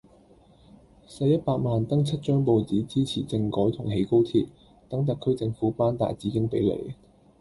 洗一百萬登七張報紙支持政改同起高鐵，等特區政府頒大紫荊比你。